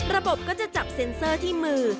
ระบบก็จะจับเซ็นเซอร์ที่มือ